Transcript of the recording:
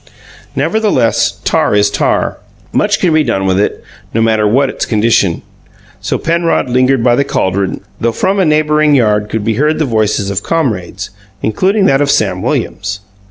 Nevertheless, tar is tar. Much can be done with it, no matter what its condition; so Penrod lingered by the caldron, though from a neighbouring yard could be heard the voices of comrades, including that of Sam Williams.